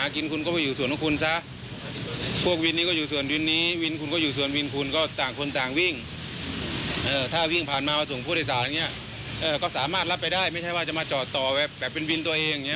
ก็สามารถรับไปได้ไม่ใช่ว่าจะมาจอดต่อแบบเป็นวินตัวเอง